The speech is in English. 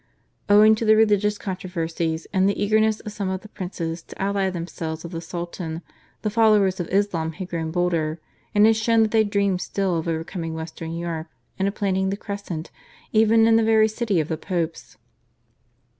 Owing to the religious controversies and the eagerness of some of the princes to ally themselves with the Sultan the followers of Islam had grown bolder, and had shown that they dreamed still of overcoming Western Europe and of planting the crescent even in the very city of the Popes.